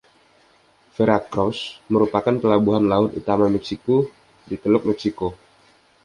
Veracruz merupakan pelabuhan laut utama Meksiko di Teluk Meksiko